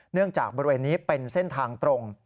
เนื่องจากบริเวณนี้เป็นเส้นทางตรง